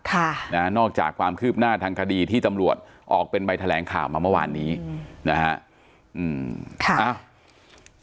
ค่ะนอกจากความคืบหน้าทางคดีที่ตำรวจออกเป็นใบแถลงข่าวมาเมื่อวานนี้นะฮะ